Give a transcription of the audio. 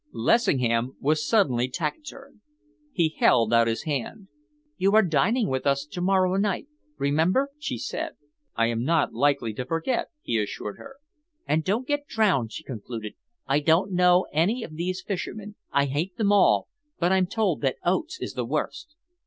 Lessingham was suddenly taciturn. He held out his hand. "You are dining with us to morrow night, remember," she said. "I am not likely to forget," he assured her. "And don't get drowned," she concluded. "I don't know any of these fishermen I hate them all but I'm told that Oates is the worst."